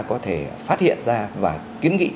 có thể phát hiện ra và kiến nghị